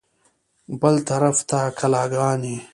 بل طرف ته کلاګانې.